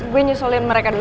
gue nyusulin mereka dulu